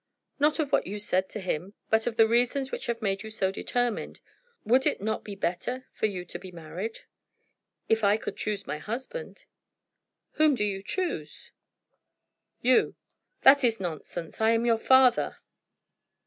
"Not of what you said to him, but of the reasons which have made you so determined. Would it not be better for you to be married?" "If I could choose my husband." "Whom would you choose?" "You." "That is nonsense. I am your father."